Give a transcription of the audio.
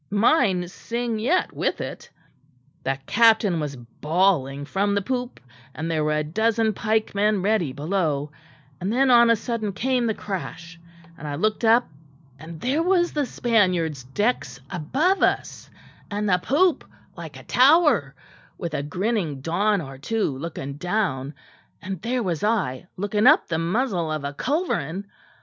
Mine sing yet with it; the captain was bawling from the poop, and there were a dozen pikemen ready below; and then on a sudden came the crash; and I looked up and there was the Spaniards' decks above us, and the poop like a tower, with a grinning don or two looking down; and there was I looking up the muzzle of a culverin.